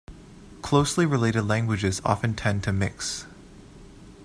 Closely related languages often tend to mix.